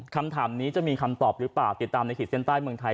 คำถามนี้จะมีคำตอบหรือเปล่าติดตามในขีดเส้นใต้เมืองไทย